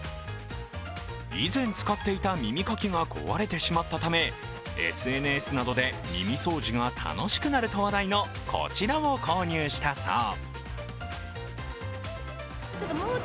以前使っていた耳かきが壊れてしまったためＳＮＳなどで耳掃除が楽しくなると話題のこちらを購入したそう。